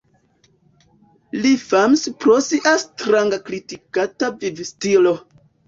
Li famis pro sia stranga -kritikata- vivstilo.